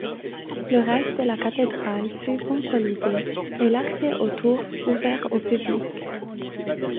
Le reste de la cathédrale fut consolidé et l'accès aux tours ouvert au public.